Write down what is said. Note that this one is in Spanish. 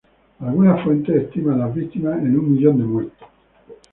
Algunas fuentes estiman las víctimas en un millón de muertos.